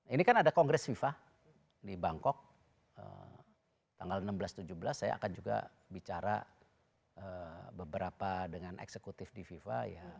ini kan ada kongres fifa di bangkok tanggal enam belas tujuh belas saya akan juga bicara beberapa dengan eksekutif di fifa